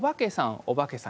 お化けさん